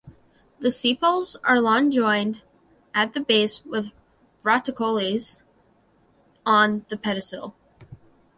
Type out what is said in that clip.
The sepals are long joined at the base with bracteoles on the pedicel.